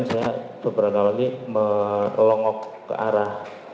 saya beberapa lagi melongok ke arah